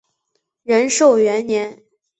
仁寿元年。